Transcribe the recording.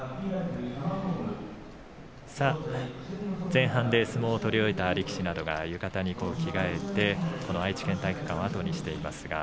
前半で相撲を取り終えた力士などが浴衣に着替えてこの愛知県体育館を後にしています。